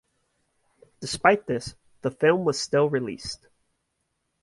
Despite this, the film was still released.